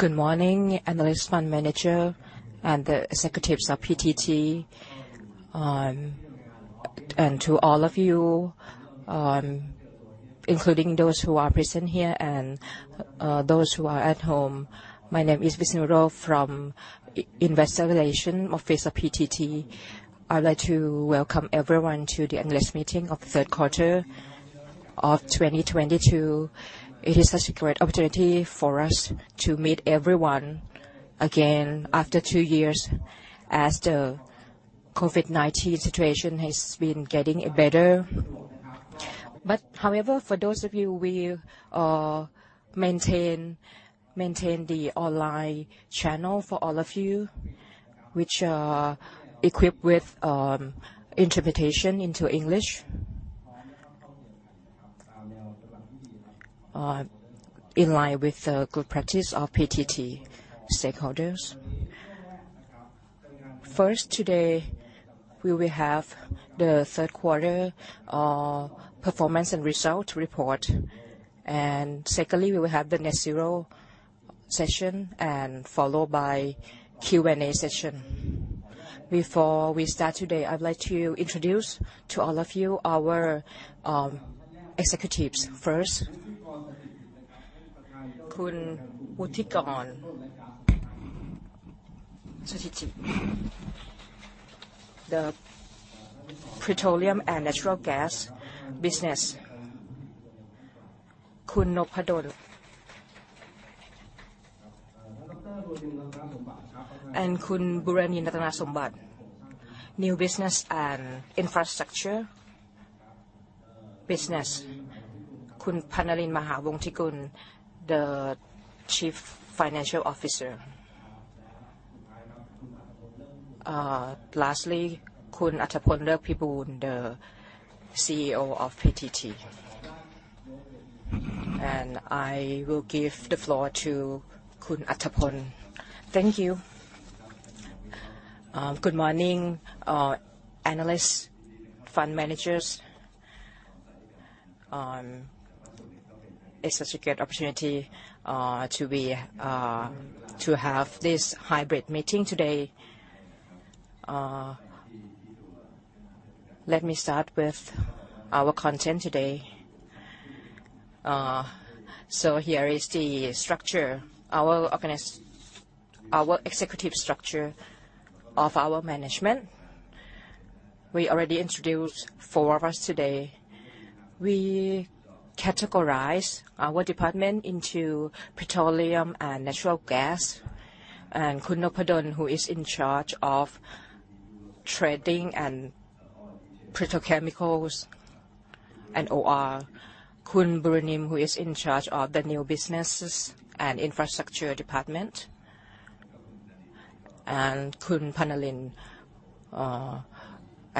Good morning, analyst fund manager and the executives of PTT. To all of you, including those who are present here and those who are at home. My name is Visunro from Investor Relation of PTT. I'd like to welcome everyone to the analyst meeting of Q3 of 2022. It is such a great opportunity for us to meet everyone again after two years as the COVID-19 situation has been getting better. However, for those of you, we'll maintain the online channel for all of you, which are equipped with interpretation into English. In line with the good practice of PTT stakeholders. First, today we will have the Q3 performance and result report. Secondly, we will have the net zero session and followed by Q&A session. Before we start today, I'd like to introduce to all of you our executives. First, Khun Wuttikorn Sotithit, the petroleum and natural gas business. Khun Noppadon. Khun Buranin Rattanasombat, new business and infrastructure business. Khun Pannalin Mahawongtikul, the Chief Financial Officer. Lastly, Khun Auttapol Rerkpiboon, the CEO of PTT. I will give the floor to Khun Auttapol. Thank you. Good morning, analysts, fund managers. It's such a great opportunity to have this hybrid meeting today. Let me start with our content today. Here is the structure, our executive structure of our management. We already introduced four of us today. We categorize our department into petroleum and natural gas. Khun Noppadon who is in charge of trading and petrochemicals and OR. Khun Buranidhan who is in charge of the new businesses and infrastructure department. Khun Pannalin, I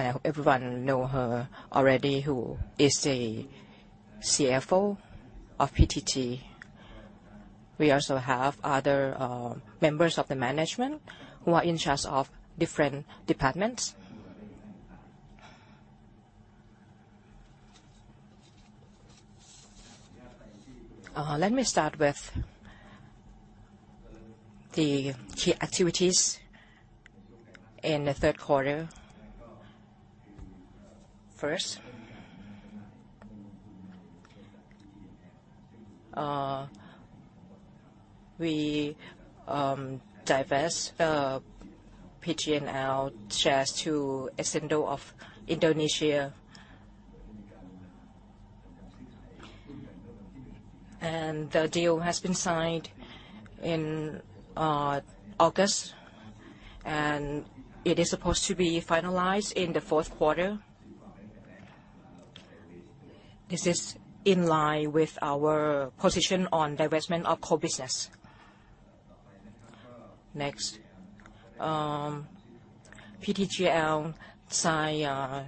know everyone know her already, who is a CFO of PTT. We also have other members of the management who are in charge of different departments. Let me start with the key activities in the Q3. First, we divest PTTGL shares to Essendo of Indonesia. The deal has been signed in August, and it is supposed to be finalized in the Q4. This is in line with our position on divestment of core business. Next, PTTGL sign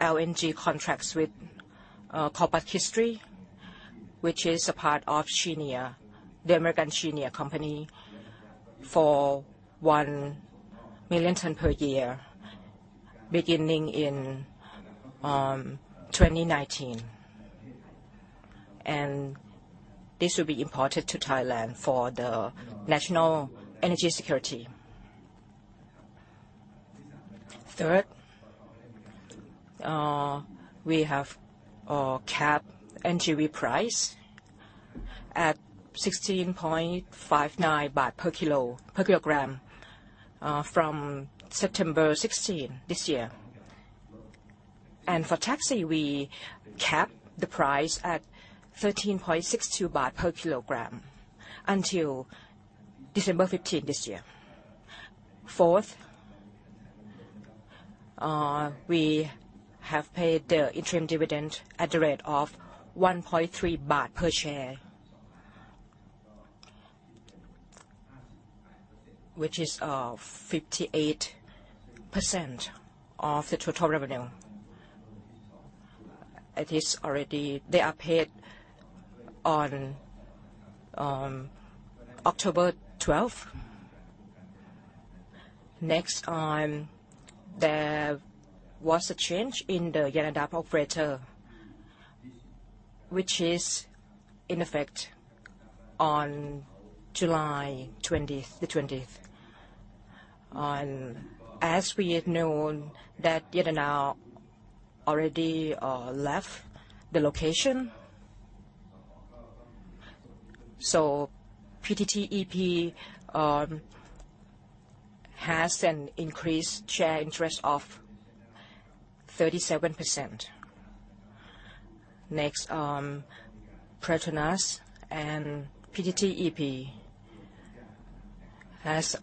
LNG contracts with Corpus Christi, which is a part of Cheniere, the American Cheniere company, for 1 million tons per year beginning in 2019. This will be imported to Thailand for the national energy security. Third, we have capped NGV price at 16.59 baht per kilogram from September 16 this year. For taxi, we capped the price at 13.62 baht per kilogram until December 15 this year. Fourth, we have paid the interim dividend at the rate of 1.3 baht per share. 58% of the total revenue. They are paid on October 12. There was a change in the Yada operator, which is in effect on July 20th. Yada now already left the location. PTTEP has an increased share interest of 37%. Next, Petronas and PTT EP has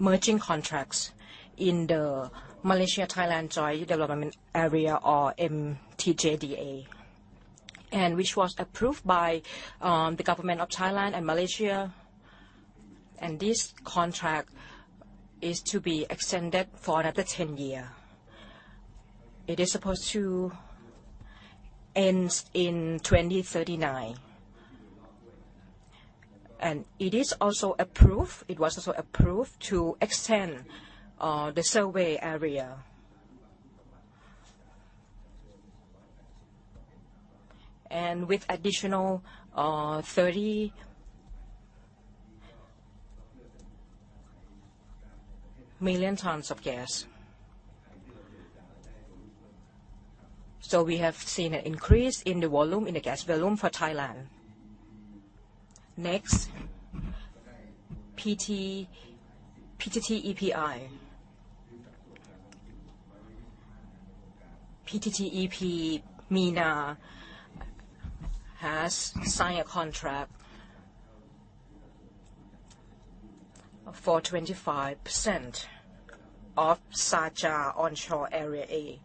merging contracts in the Malaysia-Thailand Joint Development Area or MTJDA, which was approved by the government of Thailand and Malaysia. This contract is to be extended for another 10 year. It is supposed to ends in 2039. It is also approved, it was also approved to extend the survey area. With additional 30 million tons of gas. We have seen an increase in the volume, in the gas volume for Thailand. Next, PTTEP. PTTEP MENA has signed a contract for 25% of Sharjah Onshore Area A.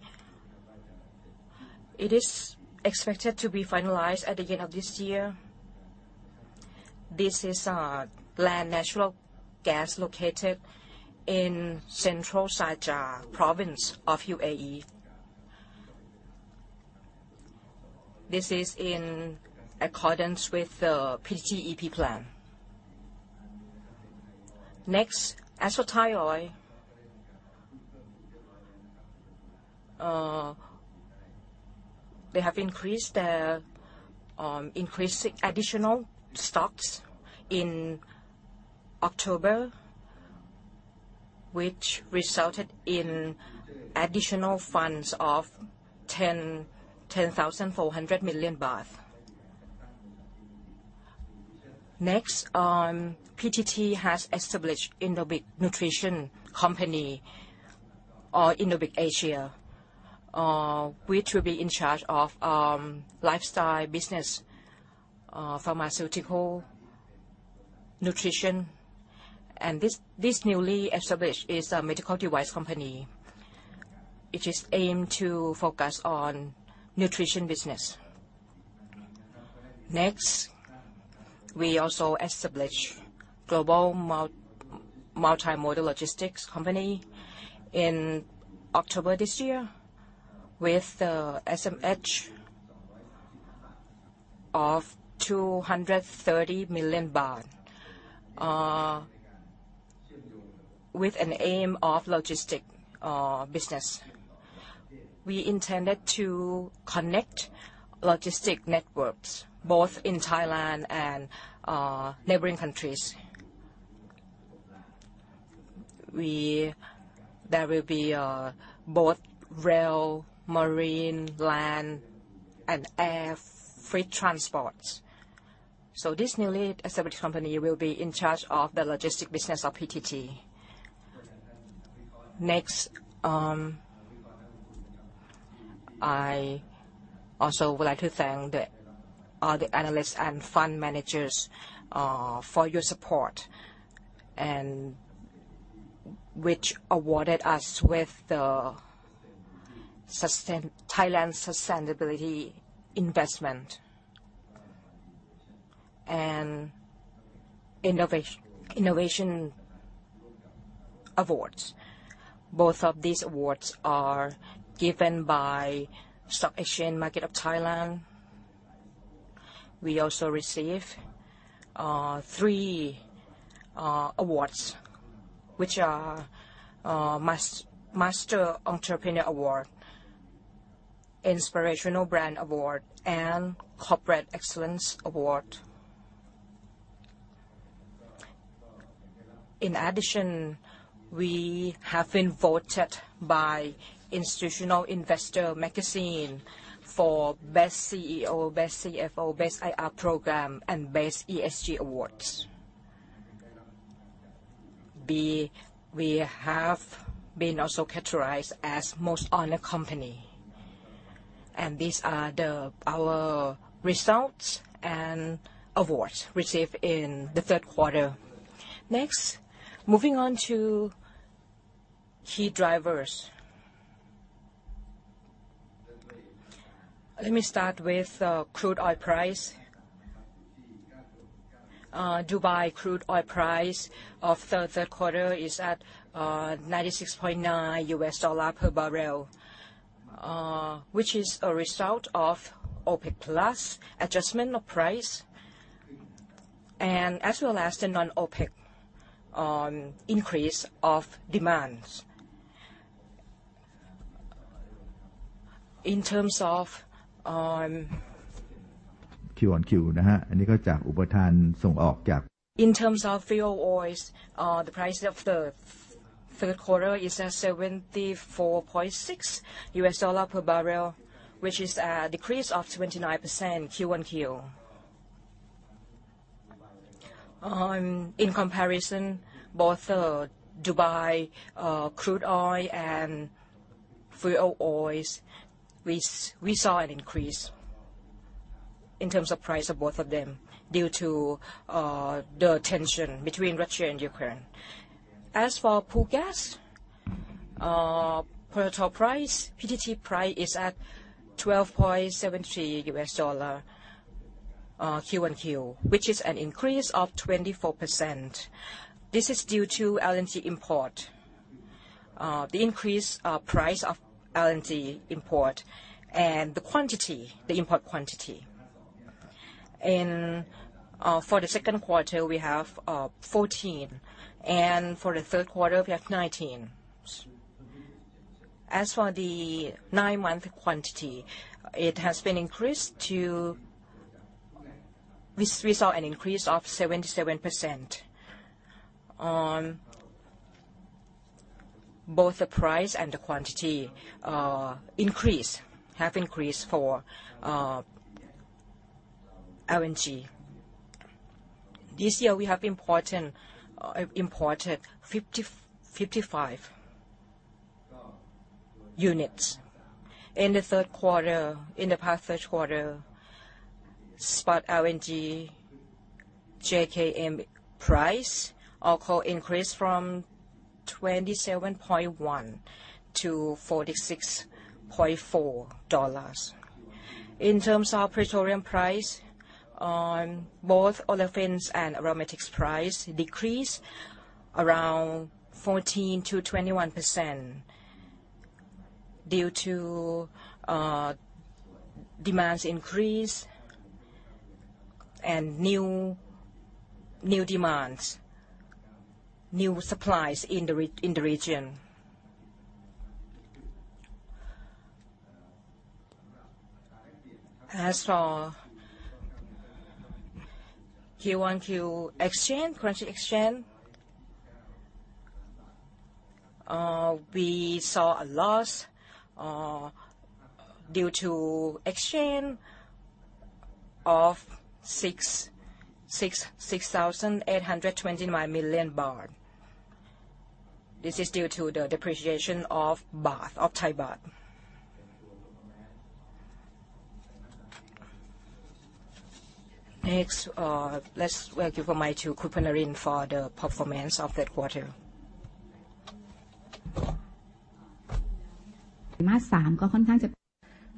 It is expected to be finalized at the end of this year. This is land natural gas located in central Sharjah province of UAE. This is in accordance with the PTT EP plan. Next, Thaioil. They have increased their increasing additional stocks in October, which resulted in additional funds of 10,400 million THB. PTT has established Innobic Nutrition Company or Innobic Asia, which will be in charge of lifestyle business, pharmaceutical, nutrition. This newly established is a medical device company. It is aimed to focus on nutrition business. We also established Global Multimodal Logistics Company in October this year with the SMH of 230 million baht. With an aim of logistic business. We intended to connect logistic networks both in Thailand and neighboring countries. There will be both rail, marine, land, and air freight transports. This newly established company will be in charge of the logistic business of PTT. I also would like to thank the, all the analysts and fund managers, for your support and which awarded us with the Thailand Sustainability Investment and Innovation Awards. Both of these awards are given by Stock Exchange Market of Thailand. We also receive three awards which are Master Entrepreneur Award, Inspirational Brand Award, and Corporate Excellence Award. In addition, we have been voted by Institutional Investor Magazine for best CEO, best CFO, best IR program and best ESG awards. We have been also categorized as most honored company. These are the, our results and awards received in the Q3. Moving on to key drivers. Let me start with crude oil price. Dubai Crude Oil price of the Q3 is at $96.9 per barrel. Which is a result of OPEC+ adjustment of price and as well as the non-OPEC on increase of demands. Q on Q. In terms of fuel oils, the price of the Q3 is at $74.6 per barrel, which is a decrease of 29% Q1Q. In comparison, both Dubai Crude Oil and fuel oils, we saw an increase in terms of price of both of them due to the tension between Russia and Ukraine. As for pool gas, per total price, PTT price is at $12.70 Q1Q, which is an increase of 24%. This is due to LNG import. The increased price of LNG import and the import quantity. For the Q2, we have 14, and for the Q3 we have 19. As for the nine-month quantity, it has been increased to... We saw an increase of 77% on both the price and the quantity increase, have increased for LNG. This year we have imported 55 units. In the Q3, in the past Q3, spot LNG JKM price also increased from $27.1 to $46.4. In terms of petroleum price on both olefins and aromatics price decreased around 14% to 21% due to demands increase and new demands, new supplies in the region. As for Q1Q exchange, currency exchange, we saw a loss due to exchange of 6,829 million baht. This is due to the depreciation of Thai baht. Next, let's welcome my to Khun Pannalin for the performance of that quarter.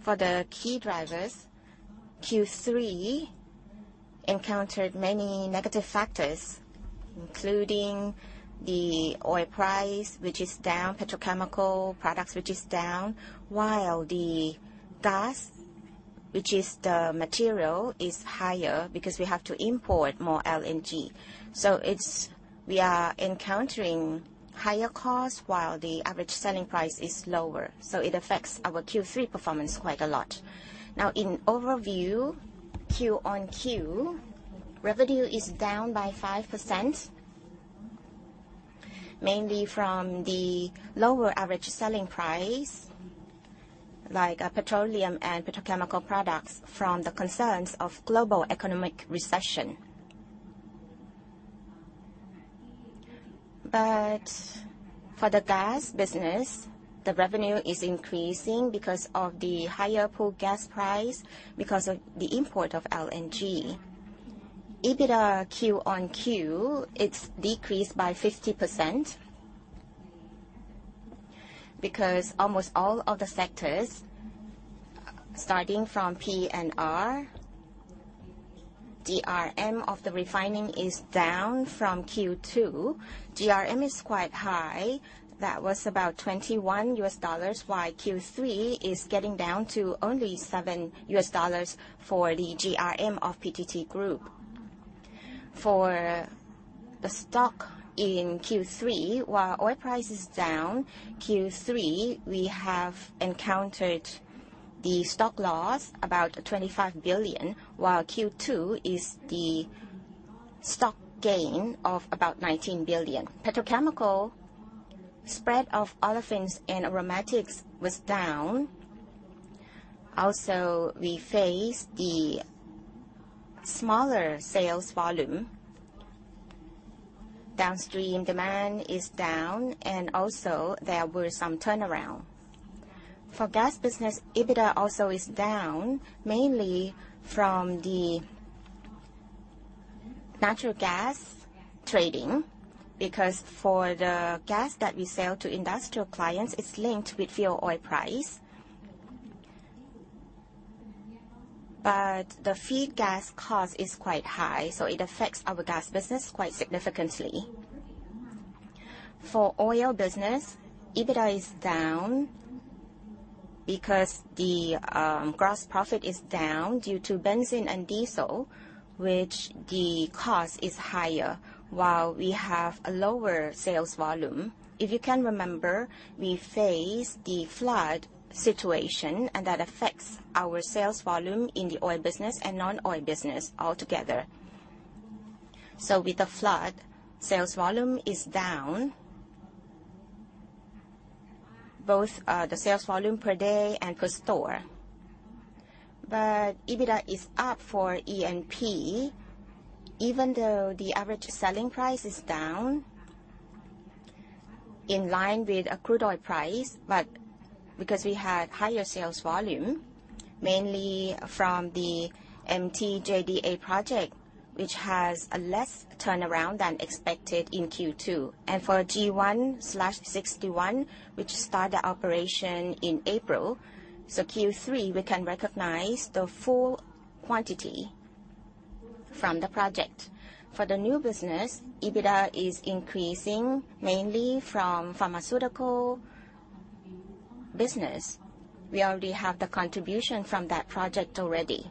For the key drivers, Q3 encountered many negative factors, including the oil price, which is down, petrochemical products, which is down, while the gas, which is the material, is higher because we have to import more LNG. We are encountering higher costs while the average selling price is lower, so it affects our Q3 performance quite a lot. In overview, quarter-on-quarter, revenue is down by 5%. Mainly from the lower average selling price, like petroleum and petrochemical products from the concerns of global economic recession. For the gas business, the revenue is increasing because of the higher pool gas price because of the import of LNG. EBITDA quarter-on-quarter, it's decreased by 50% because almost all of the sectors starting from P&R, GRM of the refining is down from Q2. GRM is quite high. That was about $21, while Q3 is getting down to only $7 for the DRM of PTT Group. For the stock in Q3, while oil price is down, Q3 we have encountered the stock loss about $25 billion, while Q2 is the stock gain of about $19 billion. Petrochemical spread of olefins and aromatics was down. Also, we faced the smaller sales volume. Downstream demand is down and also there were some turnaround. For gas business, EBITDA also is down mainly from the natural gas trading because for the gas that we sell to industrial clients, it's linked with fuel oil price. The feed gas cost is quite high, it affects our gas business quite significantly. For oil business, EBITDA is down because the gross profit is down due to benzene and diesel, which the cost is higher while we have a lower sales volume. If you can remember, we faced the flood situation, and that affects our sales volume in the oil business and non-oil business altogether. With the flood, sales volume is down, both the sales volume per day and per store. But EBITDA is up for E&P, even though the average selling price is down in line with a crude oil price. Because we had higher sales volume, mainly from the MTJDA project, which has a less turnaround than expected in Q2. For G1/61, which start the operation in April, Q3, we can recognize the full quantity from the project. For the new business, EBITDA is increasing mainly from pharmaceutical business. We already have the contribution from that project already.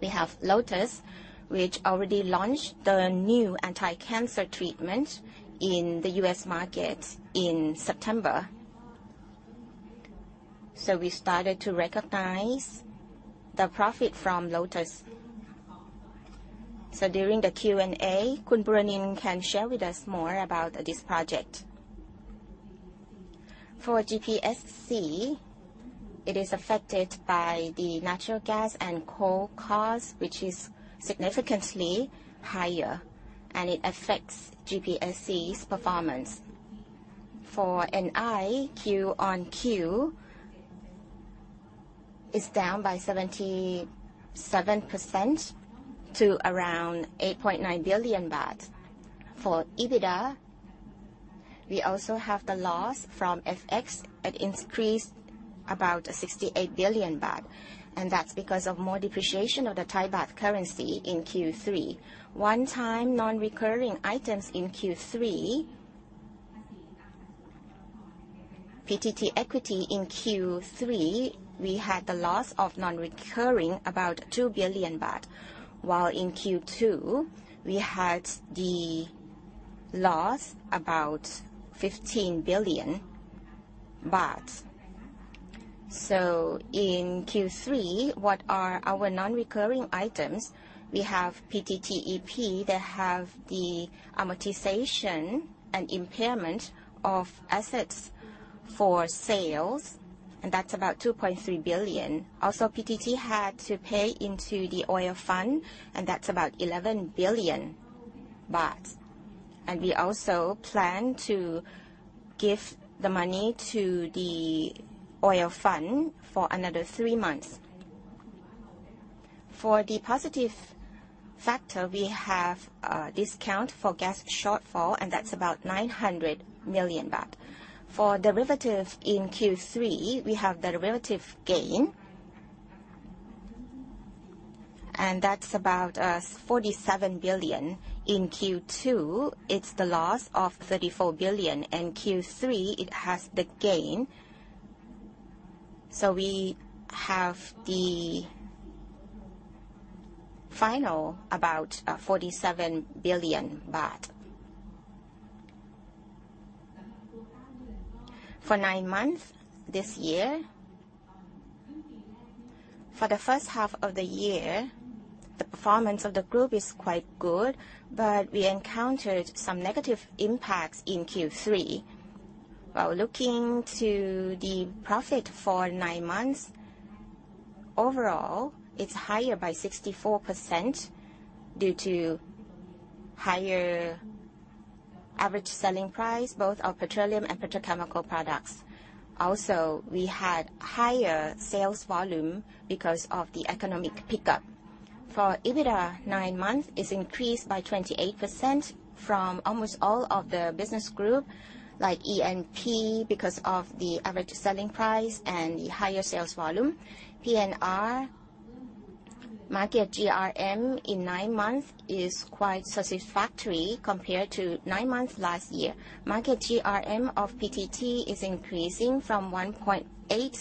We have Lotus, which already launched the new anti-cancer treatment in the US market in September. We started to recognize the profit from Lotus. During the Q&A, Kun Buranin Rattanasombat can share with us more about this project. For GPSC, it is affected by the natural gas and coal cost, which is significantly higher, and it affects GPSC's performance. For NI, quarter-over-quarter is down by 77% to around 8.9 billion baht. For EBITDA, we also have the loss from FX. It increased about 68 billion baht, and that's because of more depreciation of the Thai baht currency in Q3. One-time non-recurring items in Q3. PTT equity in Q3, we had the loss of non-recurring about 2 billion baht, while in Q2, we had the loss about THB 15 billion. In Q3, what are our non-recurring items? We have PTTEP. They have the amortization and impairment of assets for sales, and that's about 2.3 billion. Also, PTT had to pay into the Oil Fuel Fund, and that's about 11 billion baht. We also plan to give the money to the Oil Fuel Fund for another 3 months. For the positive factor, we have a discount for gas shortfall, and that's about 900 million baht. For derivative in Q3, we have the relative gain, and that's about 47 billion. In Q2, it's the loss of 34 billion. In Q3, it has the gain. We have the final about THB 47 billion. For 9 months this year. For the first half of the year, the performance of the group is quite good, but we encountered some negative impacts in Q3. While looking to the profit for 9 months, overall, it's higher by 64% due to higher average selling price, both of petroleum and petrochemical products. We had higher sales volume because of the economic pickup. For EBITDA, 9 months is increased by 28% from almost all of the business group, like E&P because of the average selling price and the higher sales volume. P&R market GRM in 9 months is quite satisfactory compared to 9 months last year. Market GRM of PTT is increasing from $1.8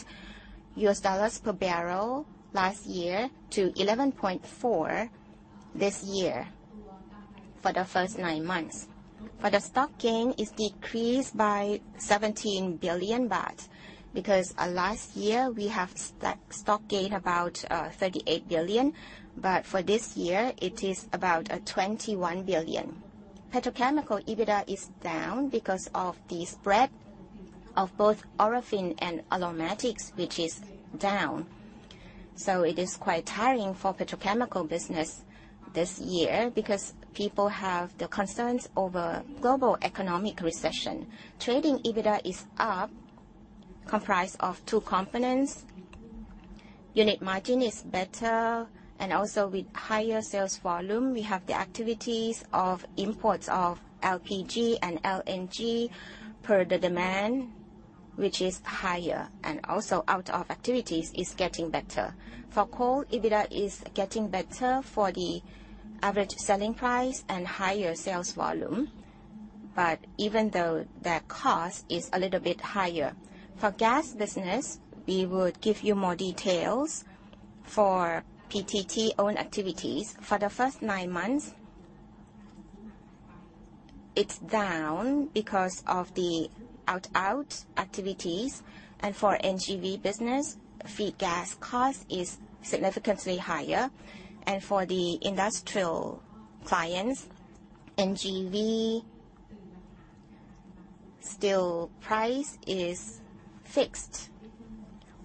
per barrel last year to $11.4 this year for the first 9 months. For the stock gain is decreased by 17 billion baht because last year we have stock gain about 38 billion. For this year, it is about 21 billion. Petrochemical EBITDA is down because of the spread of both olefin and aromatics, which is down. It is quite tiring for petrochemical business this year because people have the concerns over global economic recession. Trading EBITDA is up, comprised of two components. Unit margin is better and also with higher sales volume. We have the activities of imports of LPG and LNG per the demand, which is higher. Also out of activities is getting better. For coal, EBITDA is getting better for the average selling price and higher sales volume. Even though the cost is a little bit higher. For gas business, we would give you more details. For PTT own activities, for the first nine months, it's down because of the out activities. For NGV business, feed gas cost is significantly higher. For the industrial clients, NGV still price is fixed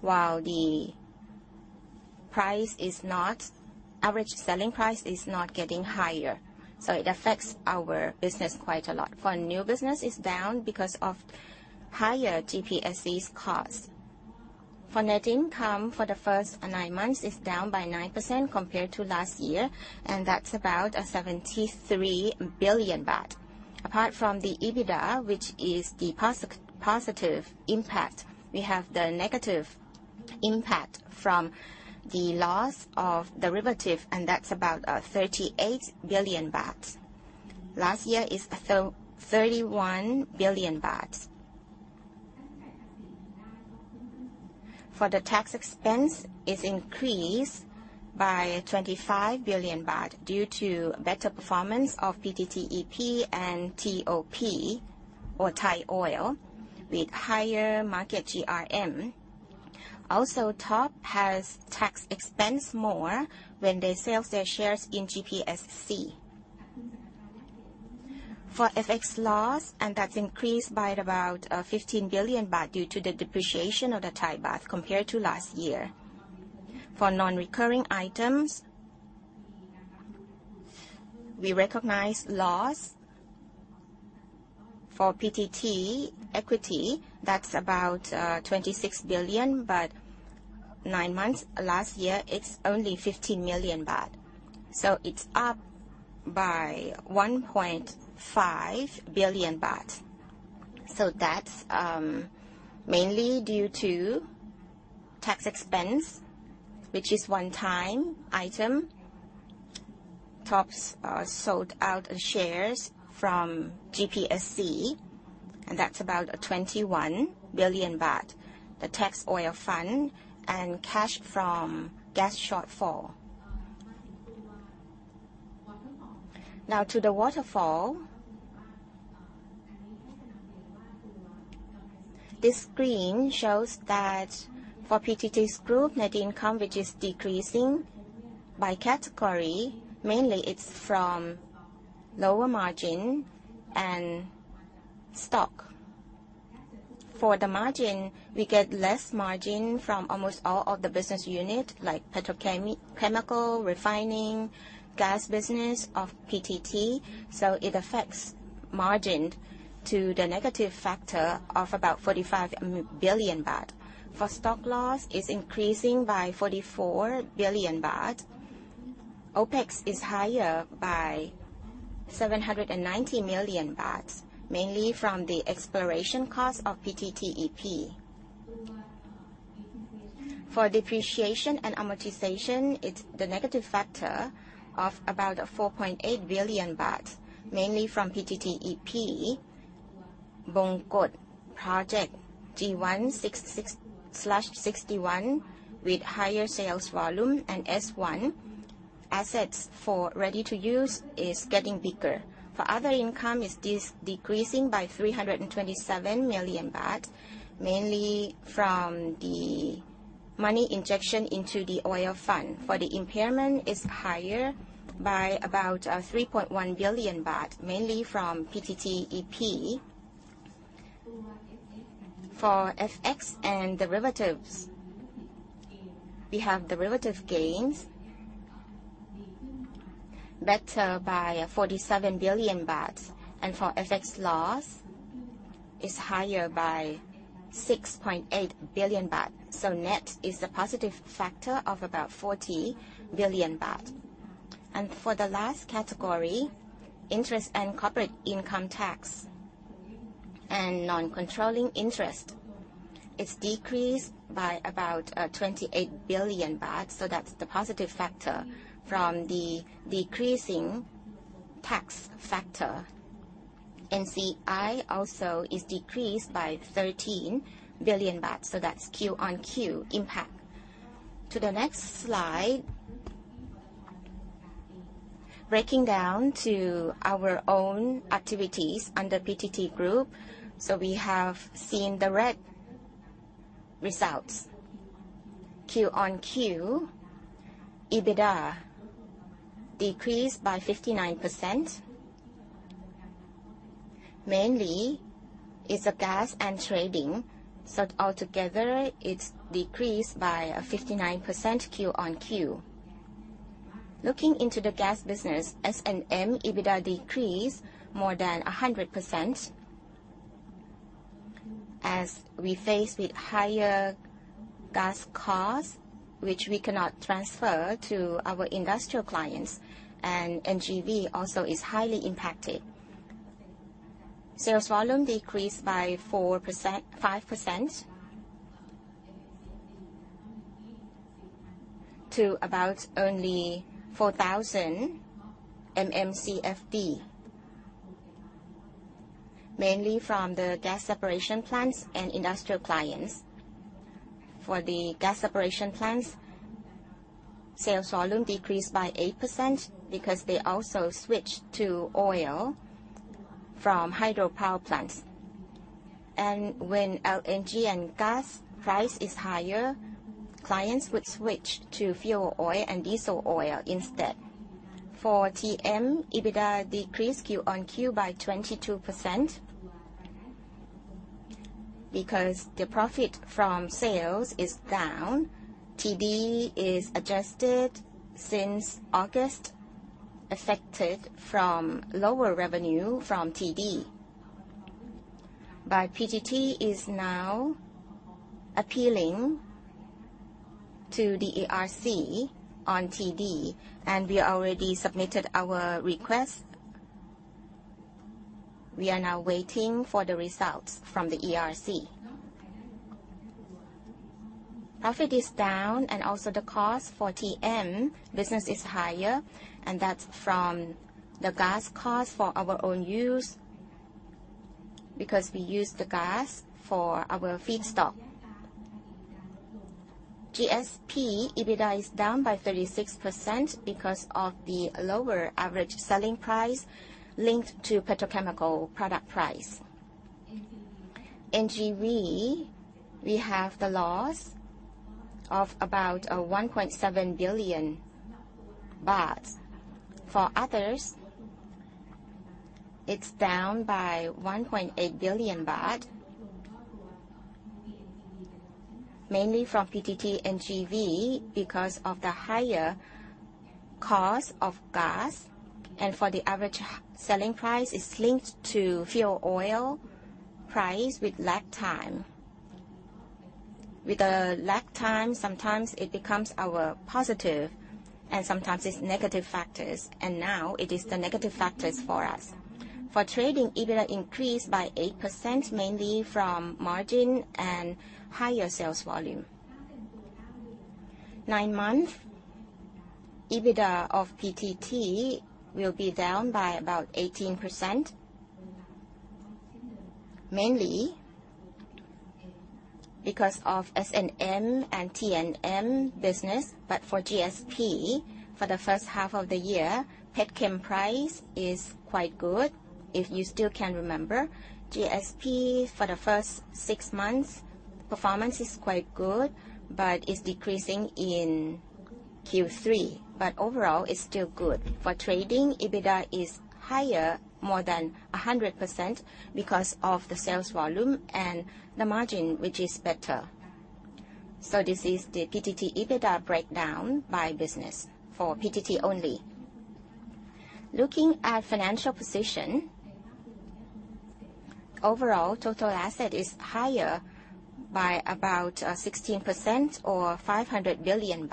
while the average selling price is not getting higher. It affects our business quite a lot. For new business, it's down because of higher GPSC cost. For net income for the first 9 months is down by 9% compared to last year. That's about 73 billion baht. Apart from the EBITDA, which is the positive impact, we have the negative impact from the loss of derivative. That's about 38 billion baht. Last year is 31 billion baht. For the tax expense, it's increased by 25 billion baht due to better performance of PTT EP and TOP or Thai Oil with higher market GRM. TOP has tax expense more when they sell their shares in GPSC. For FX loss, and that's increased by about 15 billion baht due to the depreciation of the Thai baht compared to last year. For non-recurring items, we recognize loss. For PTT Equity, that's about 26 billion, but 9 months. Last year, it's only 15 million baht. It's up by 1.5 billion baht. That's mainly due to tax expense, which is one time item. TOP's sold out shares from GPSC, and that's about 21 billion baht. The tax oil fund and cash from gas shortfall. Now to the waterfall. This screen shows that for PTT's group net income, which is decreasing by category, mainly it's from lower margin and stock. For the margin, we get less margin from almost all of the business unit like petrochemical, refining, gas business of PTT. It affects margin to the negative factor of about 45 billion baht. For stock loss, it's increasing by 44 billion baht. OPEX is higher by 790 million baht, mainly from the exploration cost of PTT EP. For depreciation and amortization, it's the negative factor of about 4.8 billion baht, mainly from PTT EP. Bongkot Project G1/61 with higher sales volume and S1. Assets for ready-to-use is getting bigger. For other income, it's decreasing by 327 million baht, mainly from the money injection into the Oil Fuel Fund. For the impairment, it's higher by about 3.1 billion baht, mainly from PTT EP. For FX and derivatives, we have derivative gains better by 47 billion baht, and for FX loss is higher by 6.8 billion baht. Net is a positive factor of about 40 billion baht. For the last category, interest and corporate income tax and non-controlling interest, it's decreased by about 28 billion baht, that's the positive factor from the decreasing tax factor. NCI also is decreased by 13 billion baht, that's Q-on-Q impact. To the next slide. Breaking down to our own activities under PTT Group. We have seen the red results. Q-on-Q, EBITDA decreased by 59%. Mainly it's the gas and trading, altogether it's decreased by 59% Q-on-Q. Looking into the gas business, S&M EBITDA decreased more than 100% as we face with higher Gas cost, which we cannot transfer to our industrial clients, and NGV also is highly impacted. Sales volume decreased by 5%. To about only 4,000 MMCFD. Mainly from the gas separation plants and industrial clients. For the gas separation plants, sales volume decreased by 8% because they also switched to oil from hydropower plants. When LNG and gas price is higher, clients would switch to fuel oil and diesel oil instead. For TM, EBITDA decreased quarter-on-quarter by 22% because the profit from sales is down. TD is adjusted since August, affected from lower revenue from TD. PTT is now appealing to the ERC on TD, and we already submitted our request. We are now waiting for the results from the ERC. Profit is down and also the cost for TM business is higher, and that's from the gas cost for our own use, because we use the gas for our feedstock. GSP EBITDA is down by 36% because of the lower average selling price linked to petrochemical product price. NGV, we have the loss of about 1.7 billion baht. For others, it's down by THB 1.8 billion. Mainly from PTT NGV because of the higher cost of gas and for the average selling price is linked to fuel oil price with lag time. With the lag time, sometimes it becomes our positive and sometimes it's negative factors, and now it is the negative factors for us. For trading, EBITDA increased by 8%, mainly from margin and higher sales volume. Nine months, EBITDA of PTT will be down by about 18%. Mainly because of S&M and TM business. For GSP, for the first half of the year, petchem price is quite good. If you still can remember, GSP for the first six months, performance is quite good, but it's decreasing in Q3. Overall, it's still good. For trading, EBITDA is higher, more than 100% because of the sales volume and the margin, which is better. This is the PTT EBITDA breakdown by business for PTT only. Looking at financial position. Overall total asset is higher by about 16% or THB 500 billion.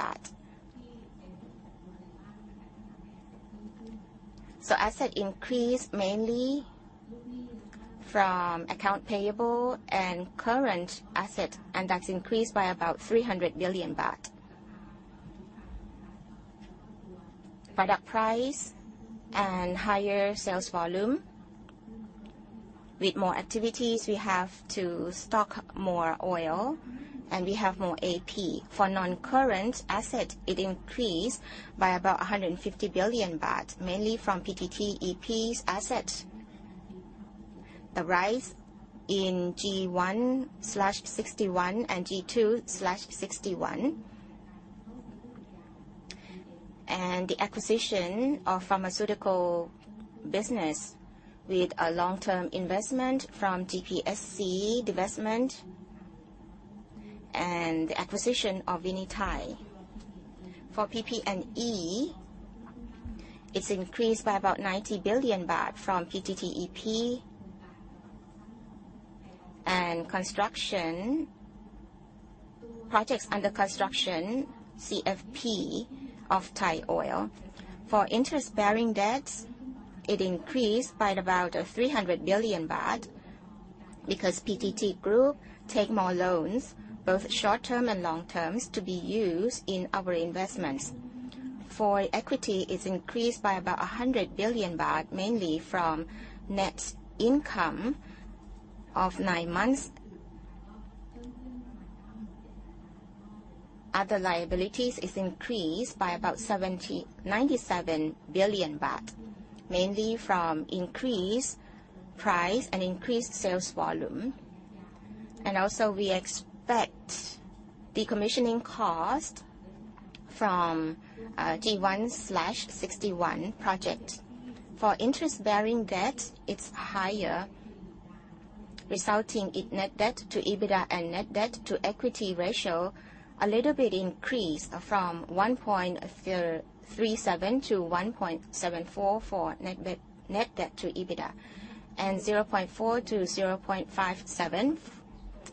Asset increased mainly from account payable and current asset, and that's increased by about 300 billion baht. Product price and higher sales volume. With more activities, we have to stock up more oil and we have more AP. For non-current asset, it increased by about 150 billion baht, mainly from PTT EP's asset. The rise in G1/61 and G2/61. The acquisition of pharmaceutical business with a long-term investment from GPSC divestment and the acquisition of Vinitai. For PP&E, it's increased by about 90 billion baht from PTT EP. Construction projects under construction, CFP of Thaioil. For interest-bearing debt, it increased by about 300 billion baht because PTT Group take more loans, both short-term and long-terms, to be used in our investments. For equity, it's increased by about 100 billion baht, mainly from net income of 9 months. Other liabilities is increased by about 97 billion baht, mainly from increased price and increased sales volume. Also we expect decommissioning cost from G1/61 project. For interest-bearing debt, it's higher, resulting in net debt to EBITDA and net debt to equity ratio a little bit increased from 1.37 to 1.744 net debt to EBITDA, and 0.4 to 0.57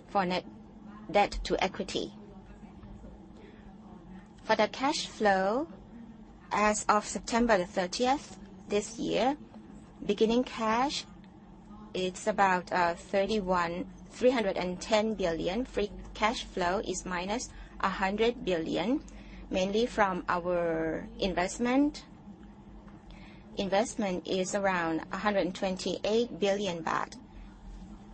for net debt to equity. For the cash flow as of September the thirtieth this year, beginning cash is about 310 billion. Free cash flow is minus 100 billion, mainly from our investment. Investment is around 128 billion baht,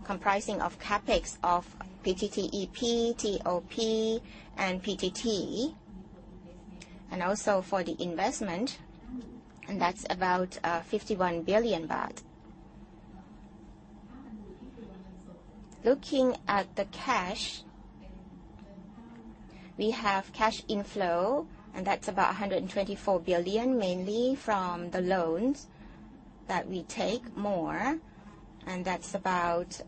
comprising of CapEx of PTT EP, TOP, and PTT. Also for the investment, and that's about THB 51 billion. Looking at the cash, we have cash inflow, and that's about 124 billion, mainly from the loans that we take more, and that's about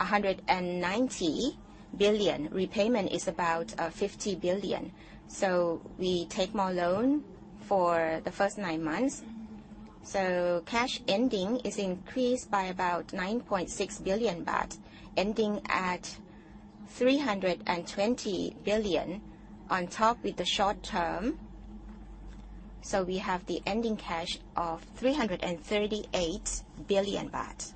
190 billion. Repayment is about 50 billion THB. We take more loan for the first nine months. Cash ending is increased by about 9.6 billion baht, ending at 320 billion THB on top with the short term. We have the ending cash of 338 billion THB.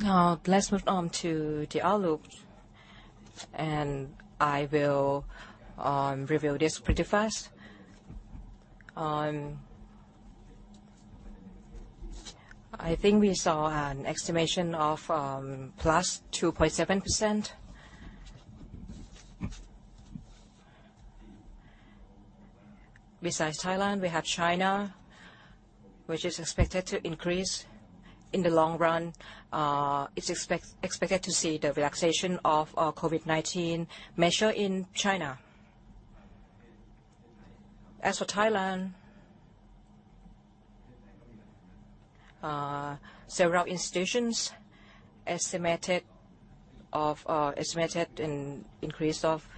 Now let's move on to the outlook. I will review this pretty fast. I think we saw an estimation of +2.7%. Besides Thailand, we have China, which is expected to increase in the long run. It's expected to see the relaxation of COVID-19 measure in China. As for Thailand, several institutions estimated an increase of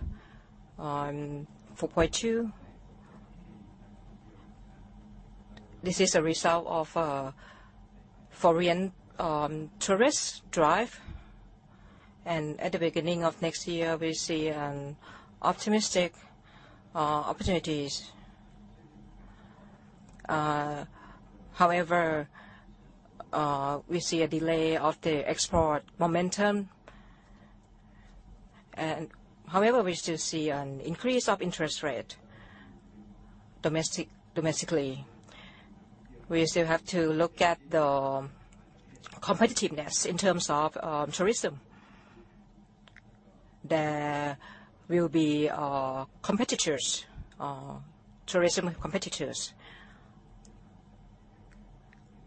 4.2%. This is a result of foreign tourist drive. At the beginning of next year, we see optimistic opportunities. However, we see a delay of the export momentum. However, we still see an increase of interest rate domestically. We still have to look at the competitiveness in terms of tourism. There will be competitors, tourism competitors.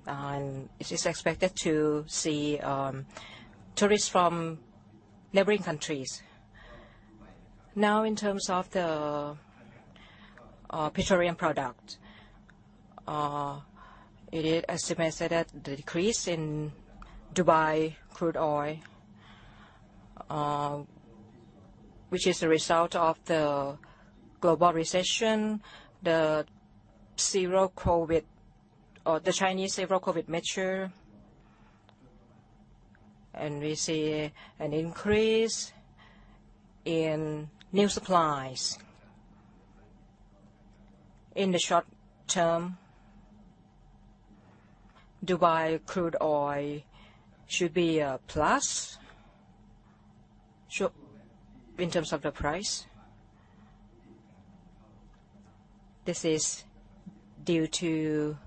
It is expected to see tourists from neighboring countries. In terms of the petroleum product, it is estimated that the decrease in Dubai crude oil, which is a result of the global recession, the zero COVID or the Chinese zero COVID measure. We see an increase in new supplies. In the short term, Dubai crude oil should be a plus. In terms of the price. This is due to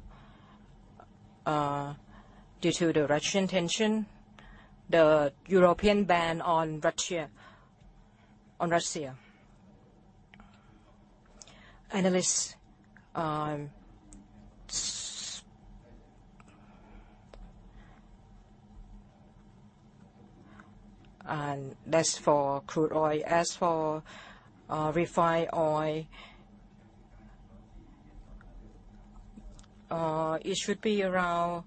due to the Russian tension, the European ban on Russia. Analysts. That's for crude oil. As for refined oil, it should be around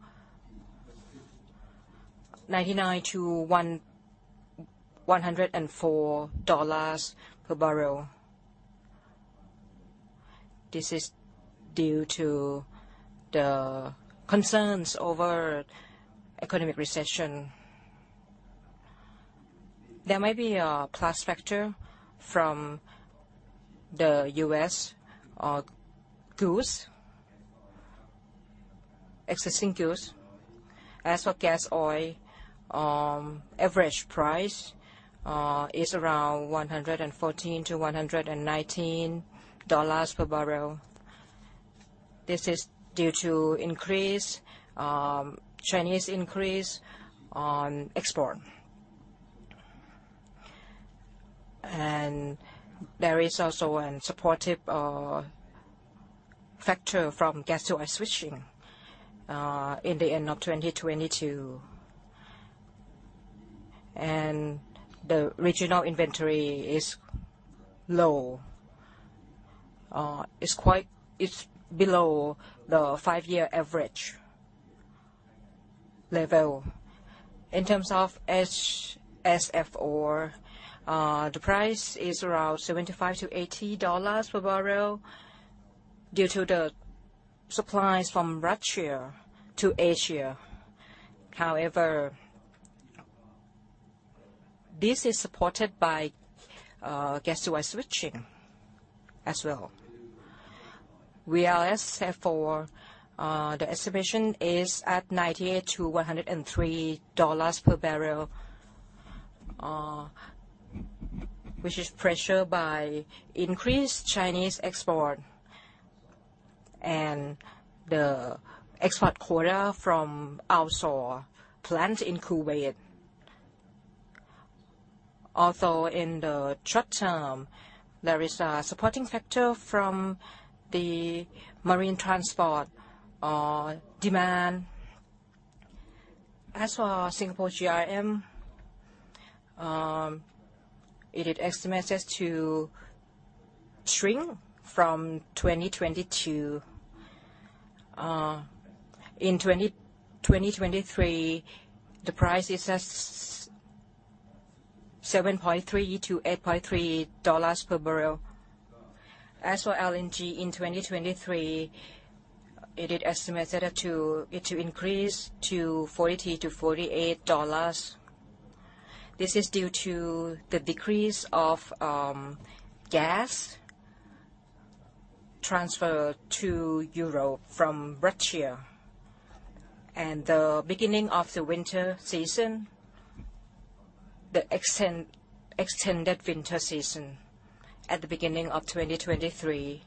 $99 to 104 per barrel. This is due to the concerns over economic recession. There might be a plus factor from the US goods, existing goods. As for gas oil, average price is around $114 to 119 per barrel. This is due to increase Chinese increase on export. There is also an supportive factor from gas oil switching in the end of 2022. The regional inventory is low. It's below the five-year average level. In terms of HSFO, the price is around $75 to 80 per barrel. Due to the supplies from Russia to Asia. However, this is supported by gas-to-oil switching as well. We are set for, the estimation is at $98 to 103 per barrel, which is pressured by increased Chinese export and the export quota from our solar plant in Kuwait. Also, in the short term, there is a supporting factor from the marine transport demand. As for Singapore GRM, it is estimated to shrink from 2022. In 2023 the price is at $7.3 to 8.3 per barrel. As for LNG in 2023, it is estimated to increase to $43 to 48. This is due to the decrease of gas transfer to Europe from Russia, and the beginning of the winter season. The extended winter season at the beginning of 2023.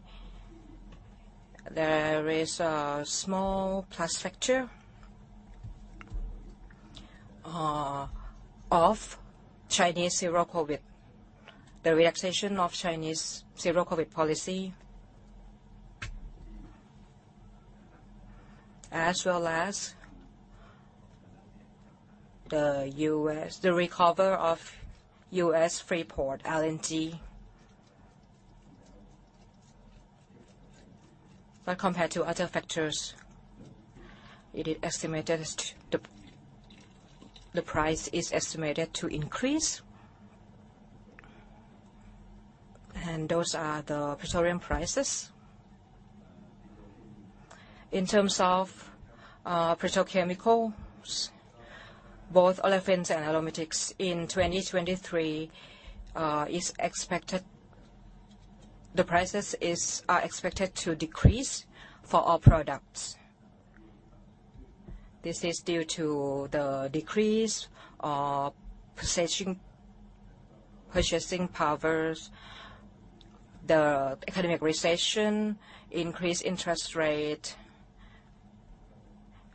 There is a small plus factor of Chinese zero Covid. The relaxation of Chinese zero Covid policy. As well as the recover of US Freeport LNG. Compared to other factors, it is estimated the price is estimated to increase. Those are the petroleum prices. In terms of petrochemicals, both olefins and aromatics in 2023 is expected. the prices are expected to decrease for all products. This is due to the decrease of purchasing powers, the economic recession, increased interest rate,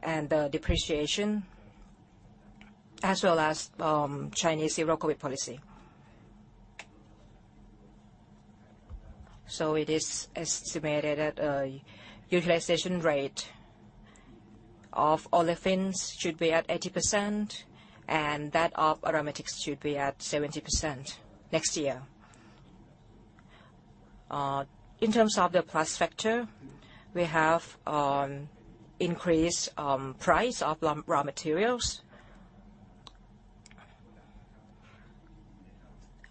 and depreciation, as well as, Chinese zero COVID-19 policy. It is estimated that utilization rate of olefins should be at 80%, and that of aromatics should be at 70% next year. In terms of the plus factor, we have increased price of raw materials.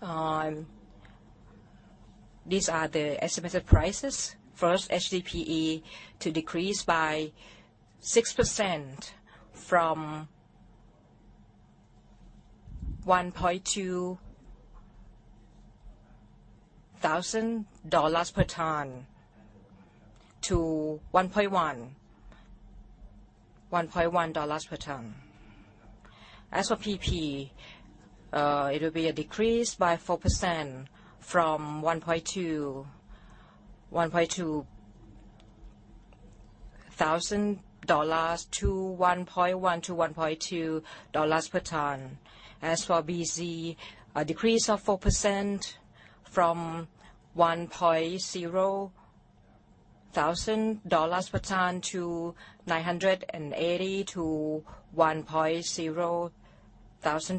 These are the estimated prices. First HDPE to decrease by 6% from $1,200 per ton to 1,100 per ton. As for PP, it will be a decrease by 4% from $1,200 to $1,100 to 1,200 per ton. As for BC, a decrease of 4% from $1,000 per ton to $980-$1,000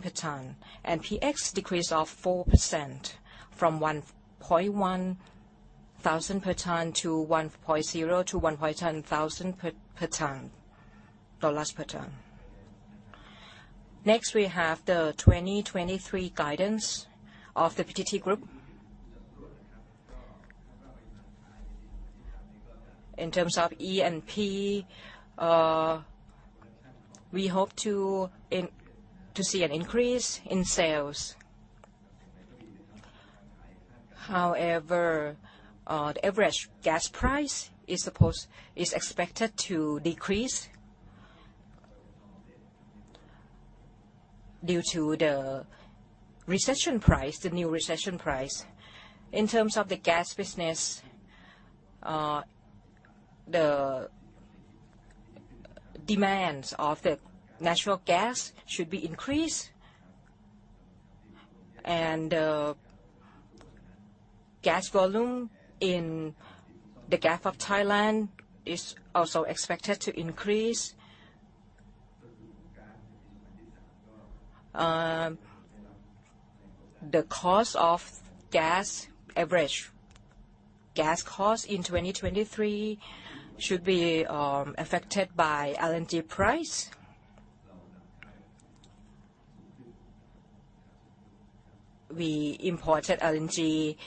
per ton. PX, a decrease of 4% from $1,100 per ton to $1,000 to 1,100 per ton. We have the 2023 guidance of the PTT Group. In terms of E&P, we hope to see an increase in sales. However, the average gas price is expected to decrease due to the recession price, the new recession price. In terms of the gas business, the demands of the natural gas should be increased. Gas volume in the Gulf of Thailand is also expected to increase. The cost of gas average, gas cost in 2023 should be affected by LNG price. We imported LNG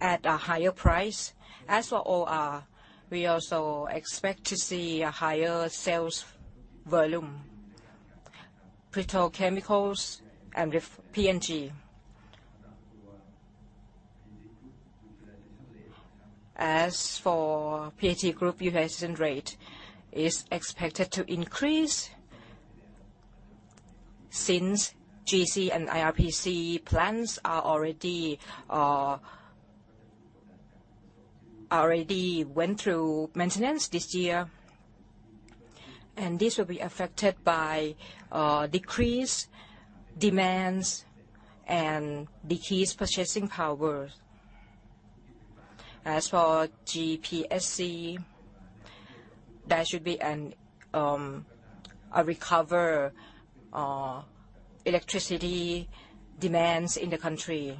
at a higher price. As for OR, we also expect to see a higher sales volume. Petrochemicals and PNG. As for PTT Group utilization rate is expected to increase since GC and IRPC plants are already went through maintenance this year. And this will be affected by decreased demands and decreased purchasing powers. As for GPSC, there should be a recover electricity demands in the country.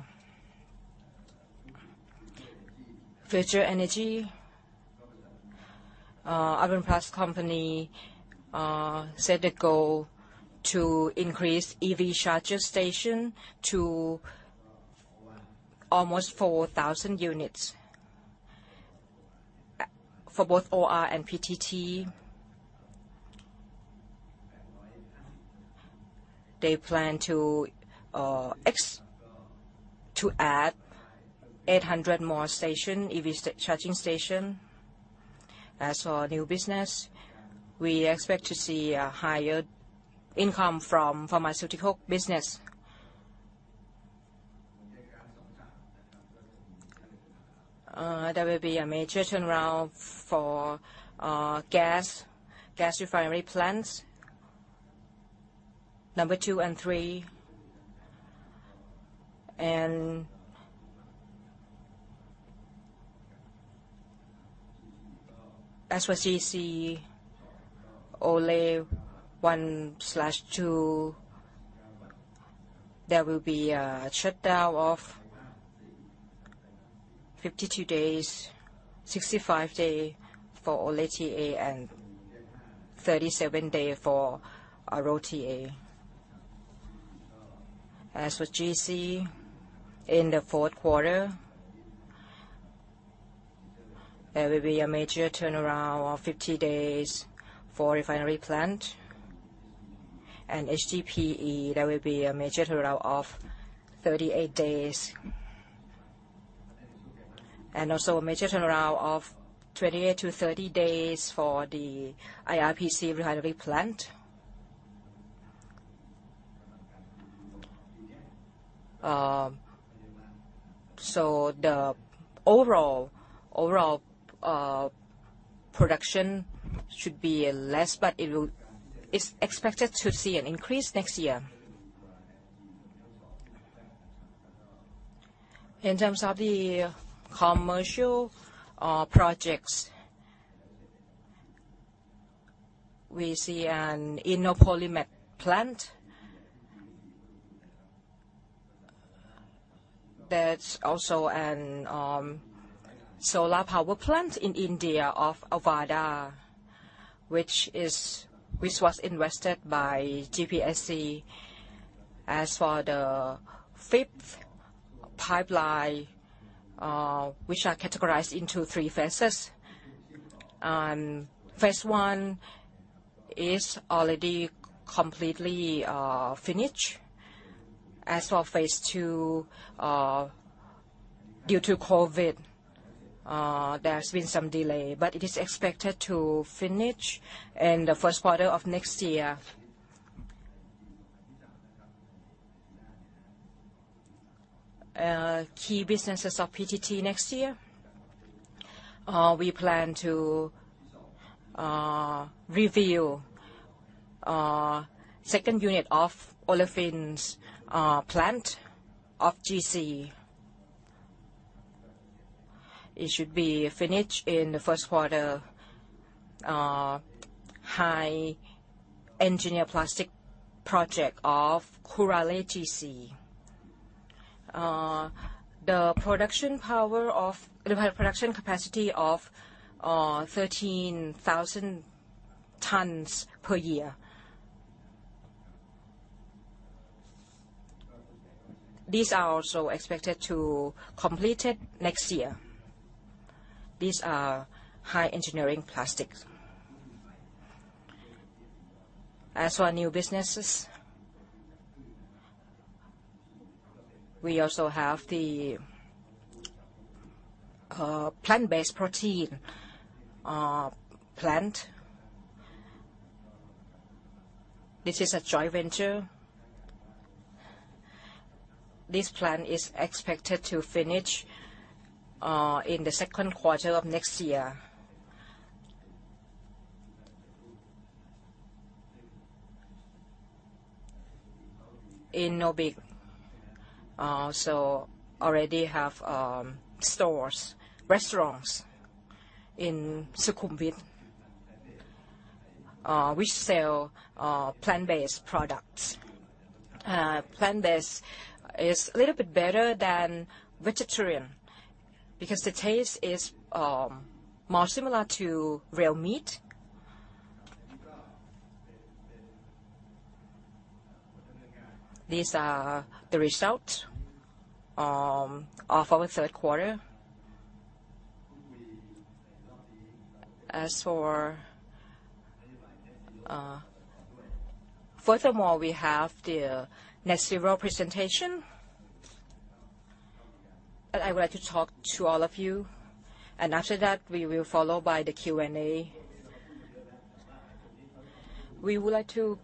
Future energy. Urban Plus Company set a goal to increase EV charger station to almost 4,000 units. For both OR and PTT, they plan to add 800 more station, EV charging station. As for new business, we expect to see a higher income from pharmaceutical business. There will be a major turnaround for gas refinery plants 2 and 3. As for GC Ole One/Two, there will be a shutdown of 52 days, 65 day for Ole TA and 37 day for ROTA. As for GC in the Q4, there will be a major turnaround of 50 days for refinery plant. HDPE, there will be a major turnaround of 38 days. Also a major turnaround of 2830 days for the IRPC refinery plant. The overall production should be less, but it is expected to see an increase next year. In terms of the commercial projects, we see an innopolymer plant. There is also a solar power plant in India of Avaada, which was invested by GPSC. The fifth pipeline, which are categorized into three phases. Phase I is already completely finished. Phase II, due to COVID, there has been some delay, but it is expected to finish in the Q1 of next year. Key businesses of PTT next year. We plan to reveal second unit of olefins plant of GC. It should be finished in the Q1. High engineered plastic project of Curale GC. The production capacity of 13,000 tons per year. These are also expected to completed next year. These are high engineering plastics. New businesses, we also have the plant-based protein plant. This is a joint venture. This plant is expected to finish in the Q2 of next year. InnoFood already have stores, restaurants in Sukhumvit, which sell plant-based products. Plant-based is little bit better than vegetarian because the taste is more similar to real meat These are the results of our Q3. As for. Furthermore, we have the net zero presentation that I would like to talk to all of you. After that, we will follow by the Q&A. We would like to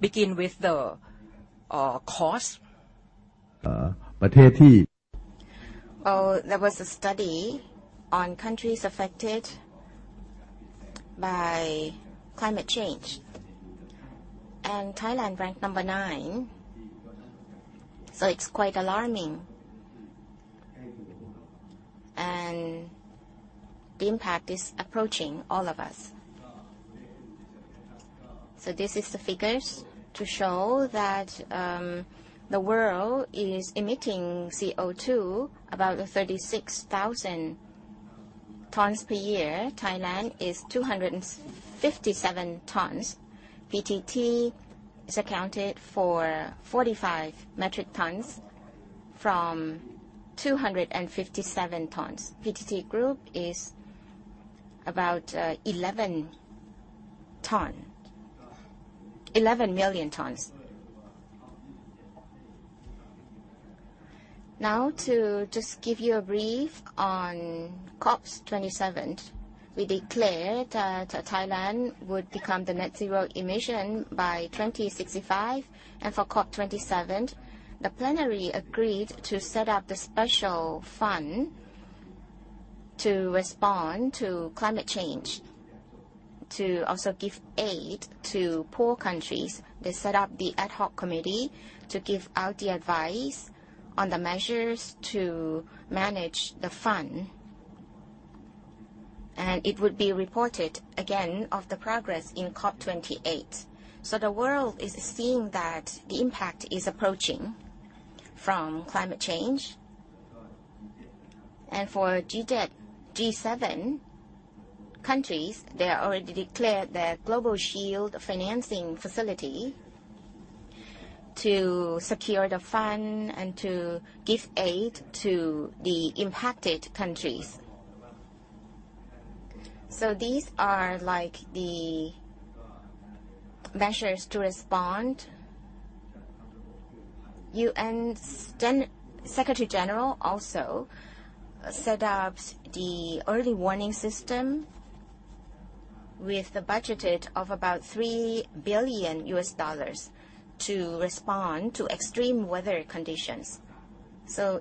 begin with the cause. There was a study on countries affected by climate change, and Thailand ranked number nine. It's quite alarming. The impact is approaching all of us. This is the figures to show that the world is emitting CO2 about 36,000 tons per year. Thailand is 257 tons. PTT is accounted for 45 metric tons from 257 tons. PTT Group is about 11 ton. 11 million tons. To just give you a brief on COP27. We declared that Thailand would become the net zero emission by 2065. For COP27, the plenary agreed to set up the special fund to respond to climate change, to also give aid to poor countries. They set up the ad hoc committee to give out the advice on the measures to manage the fund. It would be reported again of the progress in COP28. The world is seeing that the impact is approaching from climate change. For G7 countries, they already declared their global shield financing facility to secure the fund and to give aid to the impacted countries. These are like the measures to respond. UN's then Secretary General also set up the early warning system with the budgeted of about $3 billion to respond to extreme weather conditions.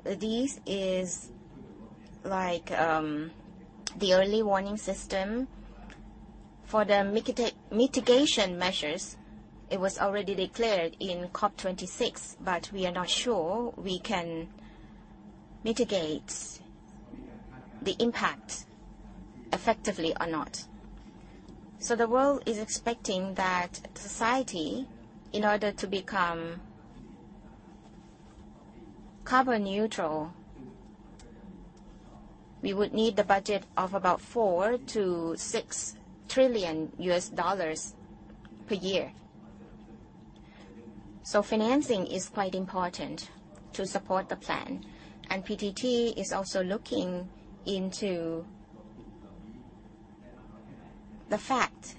This is like the early warning system. For the mitigation measures, it was already declared in COP26, we are not sure we can mitigate the impact effectively or not. The world is expecting that society, in order to become carbon neutral, we would need the budget of about $4 to 6 trillion per year. Financing is quite important to support the plan. PTT is also looking into the fact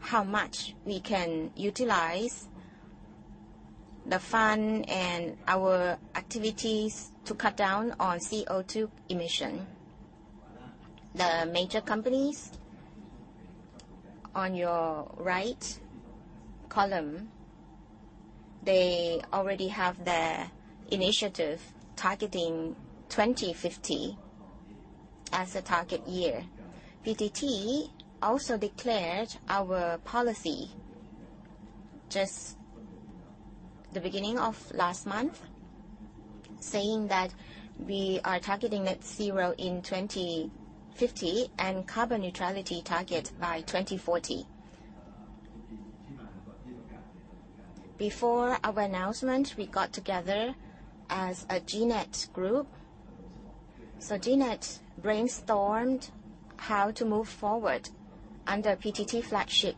how much we can utilize the fund and our activities to cut down on CO2 emission. The major companies on your right column, they already have their initiative targeting 2050 as the target year. PTT also declared our policy just the beginning of last month, saying that we are targeting net zero in 2050 and carbon neutrality target by 2040. Before our announcement, we got together as a G-NET group. G-NET brainstormed how to move forward under PTT flagship.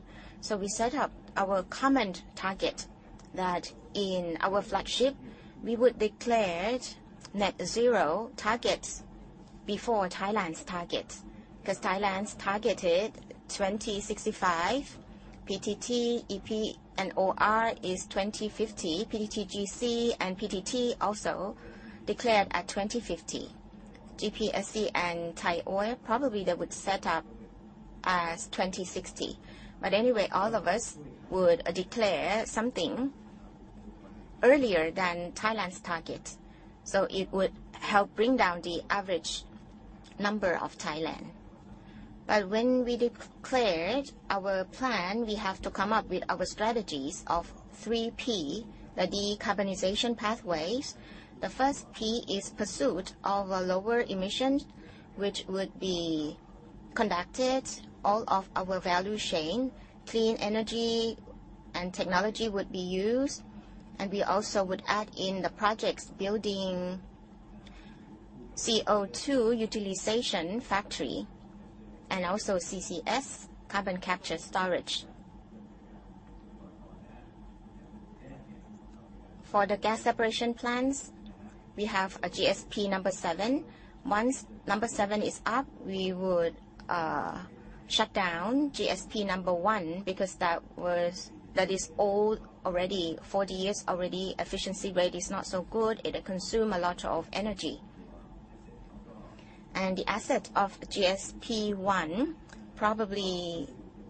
We set up our common target that in our flagship, we would declared net zero targets before Thailand's target, 'cause Thailand's targeted 2065. PTT, EP, and OR is 2050. PTTGC and PTT also declared at 2050. GPSC and Thaioil, probably they would set up as 2060. All of us would declare something earlier than Thailand's target, so it would help bring down the average number of Thailand. When we declared our plan, we have to come up with our strategies of 3 P, the decarbonization pathways. The first P is pursuit of a lower emission, which would be conducted all of our value chain. Clean energy and technology would be used, and we also would add in the projects building CO₂ utilization factory and also CCS, carbon capture storage. For the gas separation plants, we have a GSP number 7. Once number 7 is up, we would shut down GSP number 1 because that is old already, 40 years already. Efficiency rate is not so good. It'll consume a lot of energy. The asset of GSP 1, probably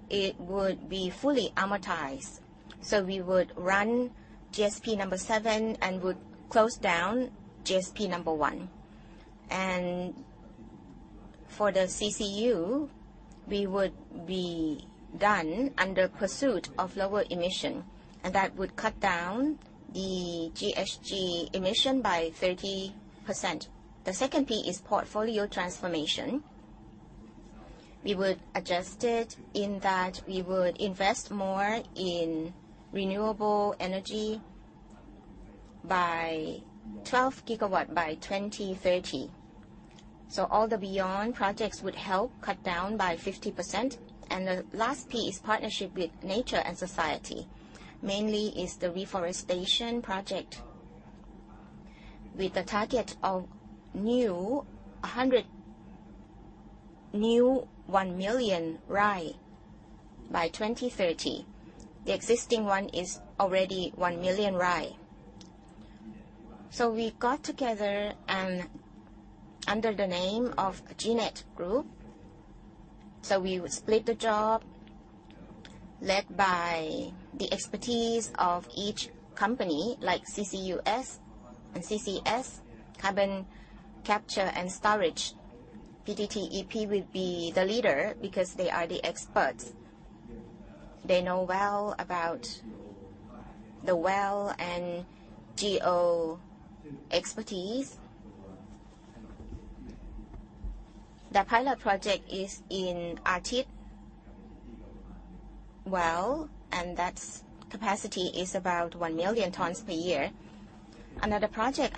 it would be fully amortized. So we would run GSP number 7 and would close down GSP number 1. For the CCU, we would be done under pursuit of lower emission, and that would cut down the GHG emission by 30%. The second P is portfolio transformation. We would adjust it in that we would invest more in renewable energy by 12 gigawatt by 2030. So all the beyond projects would help cut down by 50%. The last P is partnership with nature and society. Mainly is the reforestation project with a target of new 1 million rai by 2030. The existing one is already 1 million rai. We got together and under the name of G-NET Group. We would split the job led by the expertise of each company, like CCUS and CCS, Carbon Capture and Storage. PTT EP will be the leader because they are the experts. They know well about the well and geo expertise. The pilot project is in Arthit Well, and that's capacity is about 1 million tons per year. Another project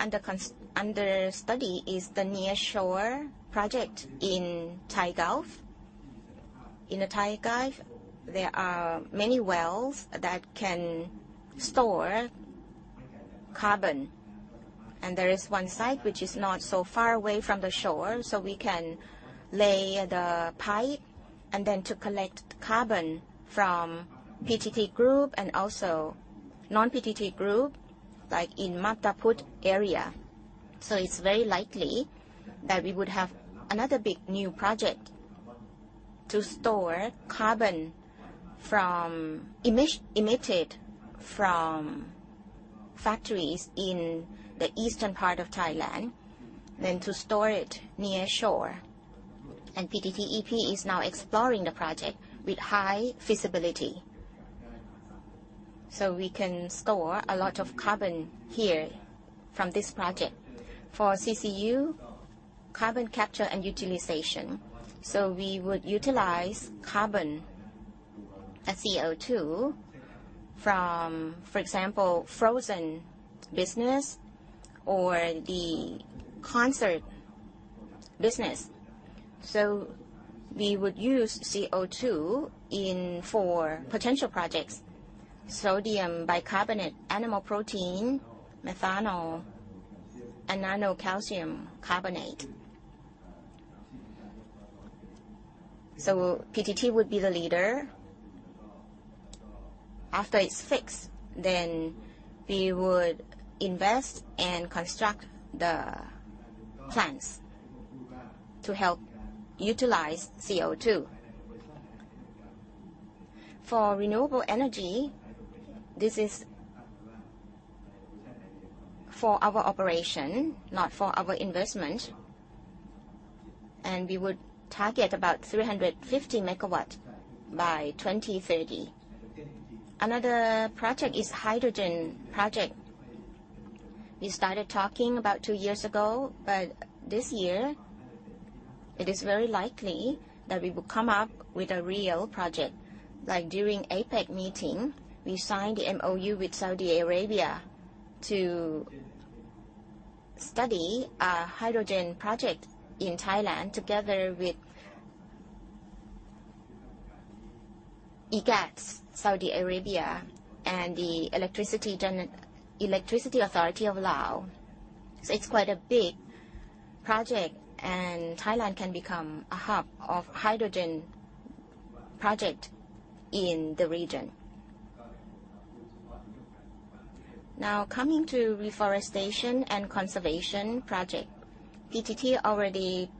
under study is the Near Shore project in Thai Gulf. In the Thai Gulf, there are many wells that can store carbon. There is one site which is not so far away from the shore, so we can lay the pipe and then to collect carbon from PTT Group and also non-PTT Group, like in Mataput area. It's very likely that we would have another big new project to store carbon from factories in the eastern part of Thailand, then to store it near shore. PTTEP is now exploring the project with high feasibility. We can store a lot of carbon here from this project. For CCU, carbon capture and utilization. We would utilize carbon as CO₂ from, for example, frozen business or the concert business. We would use CO₂ in four potential projects: sodium bicarbonate, animal protein, methanol, and nano calcium carbonate. PTT would be the leader. After it's fixed, then we would invest and construct the plants to help utilize CO₂. For renewable energy, this is for our operation, not for our investment, and we would target about 350 MW by 2030. Another project is hydrogen project. We started talking about two years ago. This year it is very likely that we will come up with a real project. During APEC meeting, we signed MOU with Saudi Arabia to study a hydrogen project in Thailand together with EGAT, Saudi Arabia and the Electricity Authority of Lao. It's quite a big project, and Thailand can become a hub of hydrogen project in the region. Now, coming to reforestation and conservation project. PTT already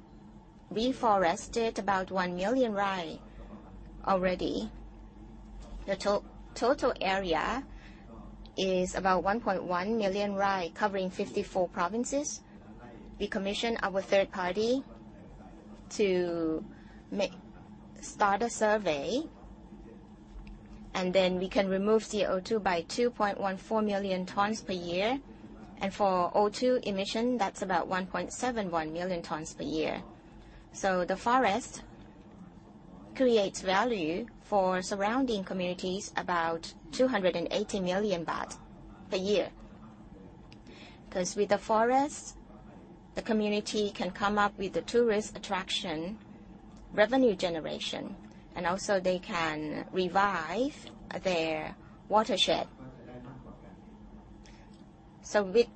reforested about 1 million rai. The total area is about 1.1 million rai, covering 54 provinces. We commission our third party to start a survey, and then we can remove CO₂ by 2.14 million tons per year. For O₂ emission, that's about 1.71 million tons per year. The forest creates value for surrounding communities about 280 million baht per year. 'Cause with the forest, the community can come up with a tourist attraction revenue generation, and also they can revive their watershed. With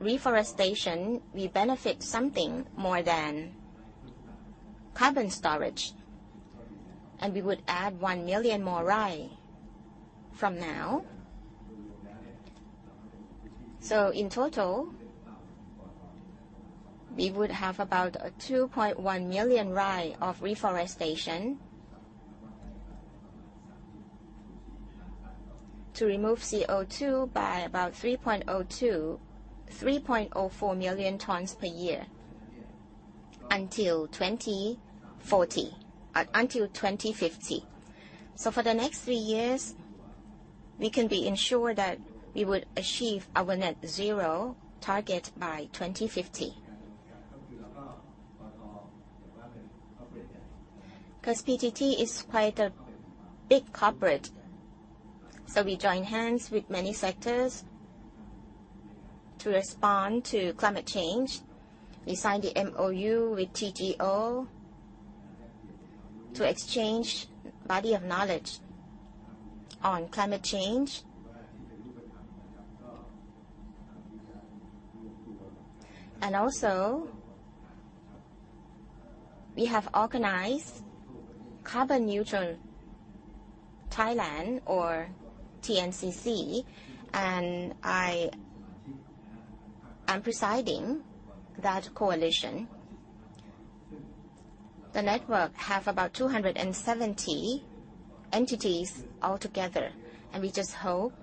reforestation, we benefit something more than carbon storage. We would add 1 million more rai from now. In total, we would have about 2.1 million rai of reforestation to remove CO2 by about 3.04 million tons per year until 2040, until 2050. For the next 3 years, we can be ensured that we would achieve our net zero target by 2050. 'Cause PTT is quite a big corporate, we join hands with many sectors to respond to climate change. We signed the MoU with TGO to exchange body of knowledge on climate change. We have organized Carbon Neutral Thailand or TCN and I am presiding that coalition. The network have about 270 entities altogether, and we just hope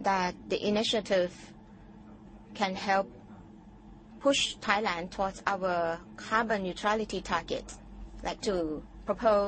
that the initiative can help push Thailand towards our carbon neutrality target, like to propose.